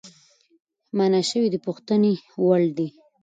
مانا شوی د پوښتنې وړدی،